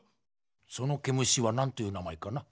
その毛虫は何という名前かな？